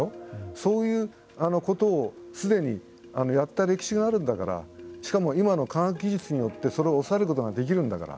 そういうことをすでにやった歴史があるんだからしかも今の科学技術によってそれを抑えることができるんだから。